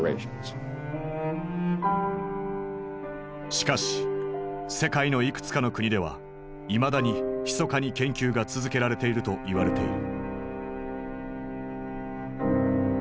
しかし世界のいくつかの国ではいまだにひそかに研究が続けられていると言われている。